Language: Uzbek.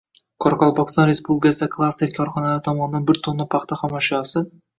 Qoraqalpog‘iston Respublikasida klaster korxonalari tomonidan bir tonna paxta xom ashyosi